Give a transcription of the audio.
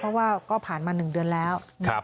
เพราะว่าก็ผ่านมา๑เดือนแล้ว